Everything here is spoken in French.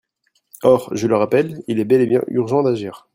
Or, je le rappelle, il est bel et bien urgent d’agir.